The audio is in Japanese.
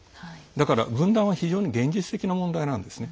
だから、分断は現実的な問題なんですね。